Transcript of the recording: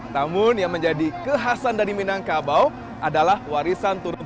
namun yang menjadi kekhasan dari minangkabau adalah warisan turun